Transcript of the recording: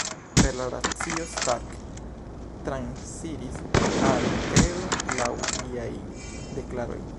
Per la racio Stark transiris al kredo, laŭ liaj deklaroj.